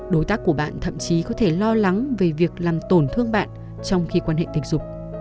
đối tác của bạn thậm chí có thể lo lắng về việc làm tổn thương bạn trong khi quan hệ tình dục